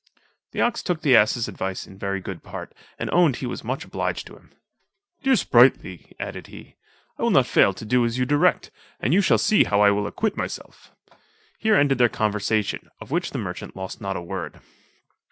The ox took the ass's advice in very good part, and owned he was much obliged to him. "Dear Sprightly," added he, "I will not fail to do as you direct, and you shall see how I will acquit myself." Here ended their conversation, of which the merchant lost not a word.